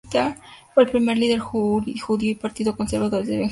Fue el primer líder judío del Partido Conservador desde Benjamin Disraeli.